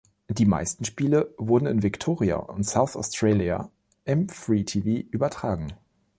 Die meisten Spiele wurden in Victoria und South Australia im Free-TV übertragen.